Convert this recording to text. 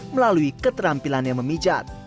melalui keterampilannya memijat